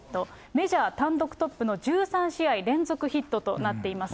メジャー単独トップの１３試合連続ヒットとなっています。